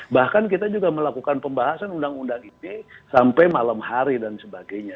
bahkan kita juga melakukan pembahasan undang undang ite sampai malam hari dan sebagainya